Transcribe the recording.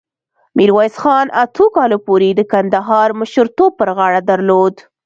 میرویس خان اتو کالو پورې د کندهار مشرتوب په غاړه درلود.